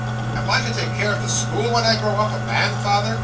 'Am I to take care of the school when I grow up a man, father?